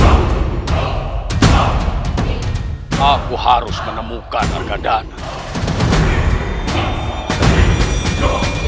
aku harus menemukan arkadar